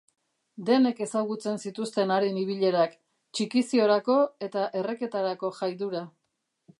Denek ezagutzen zituzten haren ibilerak, txikiziorako eta erreketarako jaidura.